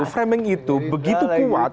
framing itu begitu kuat